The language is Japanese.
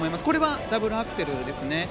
今のはダブルアクセルですね。